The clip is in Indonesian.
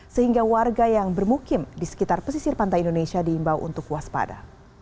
sehingga warga yang bermukim di sekitar pesisir pantai indonesia diimbau untuk waspada